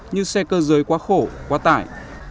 như xe cơ giới quá khổ quá tải